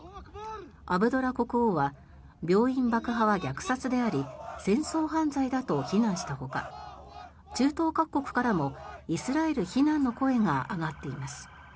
アブドラ国王は病院爆破は虐殺であり戦争犯罪だと非難したほか中東各国からもイスラエル非難の声が上がっています。